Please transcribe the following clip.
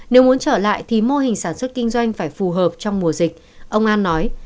nếu muốn trở lại thì mô hình sản xuất kinh doanh phải phù hợp trong mùa dịch ông an nói